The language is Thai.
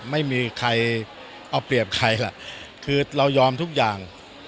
ไม่มีใครเอาเปรียบใครล่ะคือเรายอมทุกอย่าง